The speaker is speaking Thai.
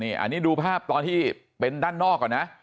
ไม่รู้ตอนไหนอะไรยังไงนะ